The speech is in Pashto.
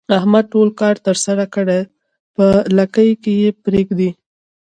احمد ټول کار ترسره کړي په لکۍ کې یې پرېږدي.